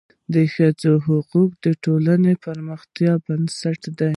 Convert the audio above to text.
د ښځو حقونه د ټولني د پرمختګ بنسټ دی.